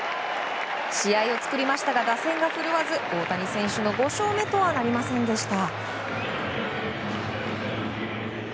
試合を作りましたが打線が振るわず大谷選手の５勝目とはなりませんでした。